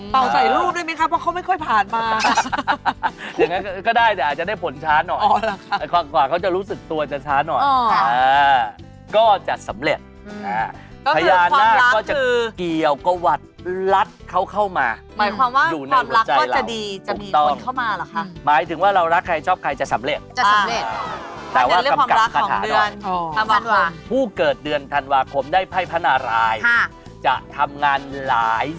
เต้นไฟเต้นไฟเต้นไฟเต้นไฟเต้นไฟเต้นไฟเต้นไฟเต้นไฟเต้นไฟเต้นไฟเต้นไฟเต้นไฟเต้นไฟเต้นไฟเต้นไฟเต้นไฟเต้นไฟเต้นไฟเต้นไฟเต้นไฟเต้นไฟเต้นไฟเต้นไฟเต้นไฟเต้นไฟเต้นไฟเต้นไฟเต้นไฟเต้นไฟเต้นไฟเต้นไฟเต้นไ